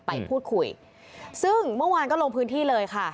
ไปพูดคุยซึ่งเมื่อวานก็ลงพื้นที่เลยค่ะ